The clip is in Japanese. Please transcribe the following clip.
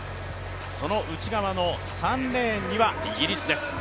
その内側の３レーンにはイギリスです。